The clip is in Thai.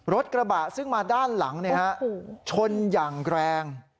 รถกระบะซึ่งมาด้านหลังชนอย่างแรง